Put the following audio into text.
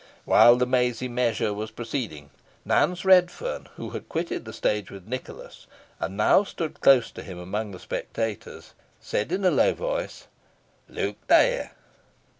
While the mazy measure was proceeding, Nance Redferne, who had quitted the stage with Nicholas, and now stood close to him among the spectators, said in a low tone, "Look there!"